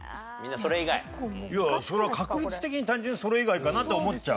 それは確率的に単純にそれ以外かなとは思っちゃう。